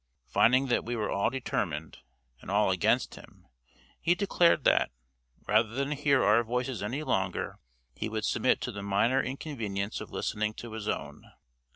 Finding that we were all determined, and all against him, he declared that, rather than hear our voices any longer, he would submit to the minor inconvenience of listening to his own.